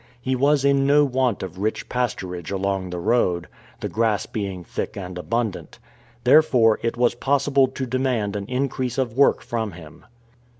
He was in no want of rich pasturage along the road, the grass being thick and abundant. Therefore, it was possible to demand an increase of work from him.